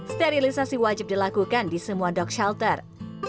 sterilisasi wajib dilakukan di semua dok shelter